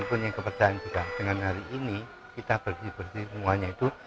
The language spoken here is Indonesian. mempunyai kepercayaan juga dengan hari ini kita bersih bersih semuanya itu